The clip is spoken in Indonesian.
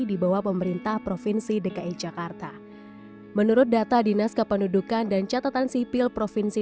dibawa pemerintah provinsi dki jakarta menurut data dinas kependudukan dan catatan sipil provinsi